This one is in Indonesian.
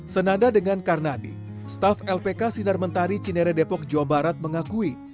senada dengan karnadi staff lpk sinarmentari cineredepok jawa barat mengakui